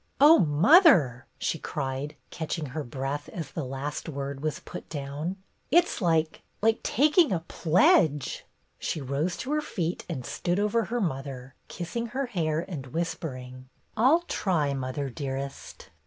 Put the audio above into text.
"Oh, mother!" she cried, catching her breath as the last word was put down. " It 's like — like taking a pledge !" She rose to her feet and stooped over her mother, kissing her hair and whispering: "I 'll try, mother, dearest!"